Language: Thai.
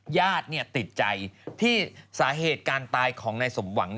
ญาติติดใจที่สาเหตุการตายของนายสมหวัง